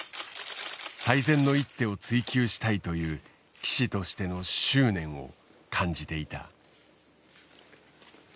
最善の一手を追求したいという棋士としての執念を感じていた。